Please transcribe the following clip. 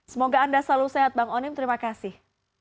semoga anda selalu sehat bang onim terima kasih